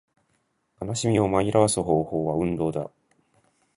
悲しみを紛らわす方法は運動だ